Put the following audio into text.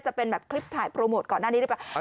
จะเป็นแบบคลิปถ่ายโปรโมทก่อนหน้านี้หรือเปล่า